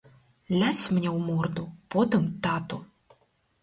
Лясь мне ў морду, потым тату.